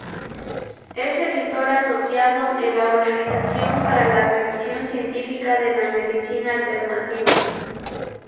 Es editor asociado en la Organización para la Revisión Científica de la Medicina Alternativa.